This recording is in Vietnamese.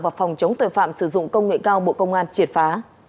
và phòng chống tội phạm sử dụng công nghệ cao bộ công an triệt phá